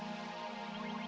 oh ya sih saya